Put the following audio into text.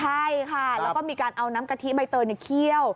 ใช่ค่ะแล้วก็มีการเอาน้ำกะทิใบเตยเคี่ยว